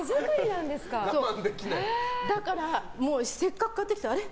だから、せっかく買ってきてあれ？